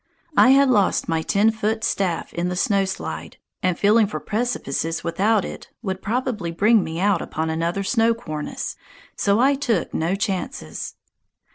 I had lost my ten foot staff in the snow slide, and feeling for precipices without it would probably bring me out upon another snow cornice, so I took no chances.